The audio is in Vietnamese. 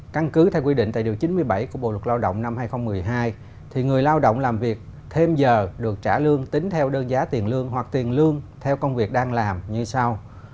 căn cứ theo quy định tại điều chín mươi bảy của bộ luật lao động năm hai nghìn một mươi hai thì người lao động làm việc thêm giờ được trả lương tính theo đơn giá tiền lương hoặc tiền lương theo công việc đang làm như sau